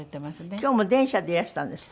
今日も電車でいらしたんですって？